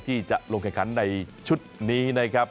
ที่จะลงสร้างการคันในชุดนี้นะครับ